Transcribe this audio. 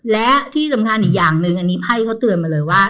และที่สำคัญอีกอย่างหนึ่งอันนี้ไพ่เขาเตือนมาเลยว่า